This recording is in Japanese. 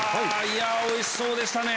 おいしそうでしたね。